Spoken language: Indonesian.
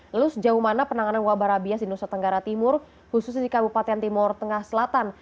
lalu sejauh mana penanganan wabah rabies di nusa tenggara timur khususnya di kabupaten timur tengah selatan